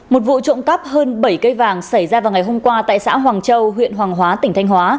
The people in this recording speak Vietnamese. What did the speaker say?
một vụ trộm cắp hơn bảy cây vàng xảy ra vào ngày hôm qua tại xã hoàng châu huyện hoàng hóa tỉnh thanh hóa